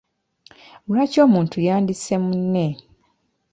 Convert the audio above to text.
Lwaki omuntu yandisse munne?